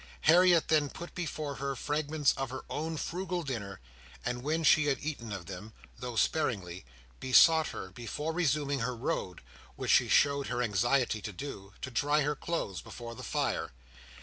Harriet then put before her fragments of her own frugal dinner, and when she had eaten of them, though sparingly, besought her, before resuming her road (which she showed her anxiety to do), to dry her clothes before the fire.